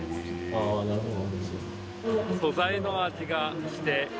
ああなるほど。